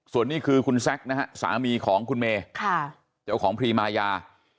ส่วนนี้คือคุณแซคนะฮะสามีของคุณเมย์เจ้าของพรีมายา